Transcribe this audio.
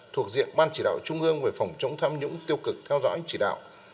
thuộc diện ban chỉ đạo trung ương về phòng chống tham nhũng tiêu cực theo dõi chỉ đạo